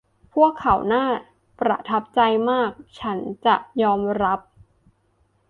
พวกเขาน่าประทับใจมาก ฉันจะยอมรับ